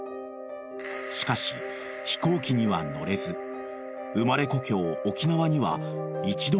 ［しかし飛行機には乗れず生まれ故郷沖縄には一度も行けなかった］